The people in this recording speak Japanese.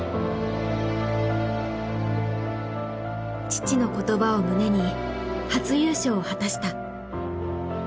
父の言葉を胸に初優勝を果たした。